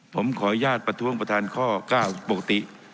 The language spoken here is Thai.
ผมขออนุญาตประท้วงประธานข้อ๙ปกติ